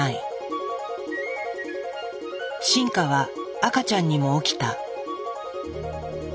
進化は赤ちゃんにも起きた。